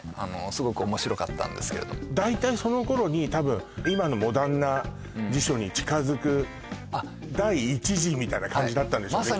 すごく面白かったんですけれども大体その頃にたぶん今のモダンな辞書に近づく第一次みたいな感じだったんでしょうね